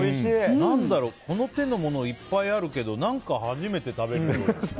何だろう、この手のものいっぱいあるけど何か初めて食べる料理。